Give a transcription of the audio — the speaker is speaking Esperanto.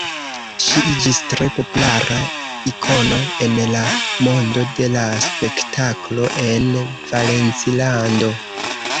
Ŝi iĝis tre populara ikono en la mondo de la spektaklo en Valencilando.